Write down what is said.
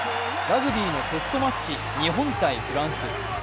ラグビーのテストマッチ日本×フランス。